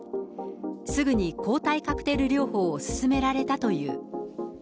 すぐに抗体カクテル療法を勧められたという。